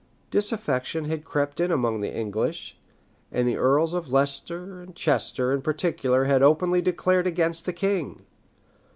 Disaffection had crept in among the English; and the earls of Leicester and Chester in particular had openly declared against the king.